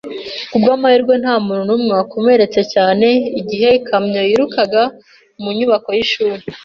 Ku bw'amahirwe nta muntu numwe wakomeretse cyane igihe ikamyo yirukaga mu nyubako y'ishuri.